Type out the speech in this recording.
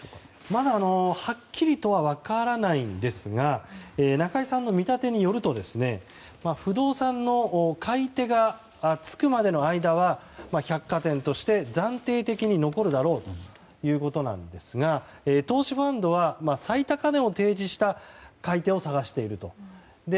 まだはっきりとは分からないんですが中井さんの見立てによると不動産の買い手がつくまでの間は百貨店として暫定的に残るだろうということなんですが投資ファンドは最高値を提示した買い手を探していると。